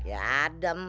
nggak ada apa apa